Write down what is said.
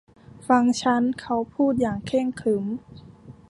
ฟังฉันเขาพูดอย่างเคร่งขรึม